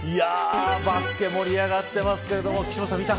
バスケ盛り上がってますけど岸本さん、見た。